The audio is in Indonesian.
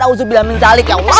awzubillah minjalik ya allah